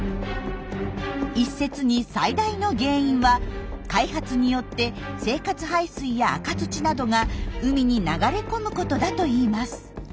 一説に最大の原因は開発によって生活排水や赤土などが海に流れ込むことだといいます。